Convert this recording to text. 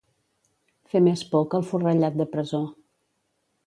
Fer més por que el forrellat de presó.